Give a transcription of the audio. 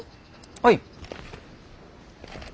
はい。